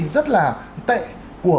rất là tệ của